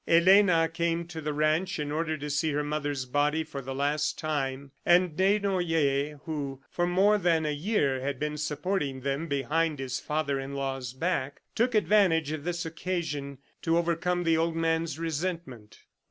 Elena came to the ranch in order to see her mother's body for the last time, and Desnoyers who for more than a year had been supporting them behind his father in law's back, took advantage of this occasion to overcome the old man's resentment.